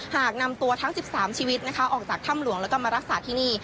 หากนำตัวทั้ง๑๓ชีวิตออกจากถ้ำหลวงแล้วก็มารักษาที่นี่